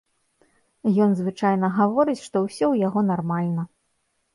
Ён звычайна гаворыць, што ўсё ў яго нармальна.